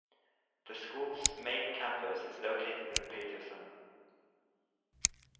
The school's main campus is located in Paterson.